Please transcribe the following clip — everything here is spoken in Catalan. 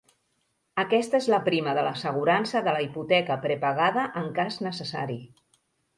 Aquesta és la prima de l'assegurança de la hipoteca prepagada, en cas necessari.